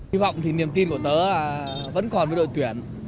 hy vọng thì niềm tin của tớ là vẫn còn với đội tuyển